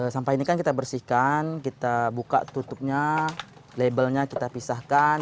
sampah ini kan kita bersihkan kita buka tutupnya labelnya kita pisahkan